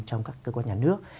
trong các cơ quan nhà nước